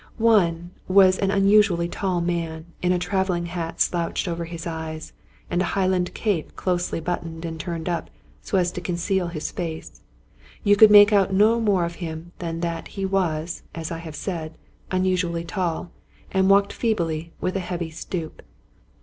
One was an unusually tall man, in a traveling hat slouched over his eyes, and a highland cape closely buttoned and turned up so as to conceal his face. You could make out no more of him than that he was, as I have said, unusu ally tall, and walked feebly with a heavy stoop.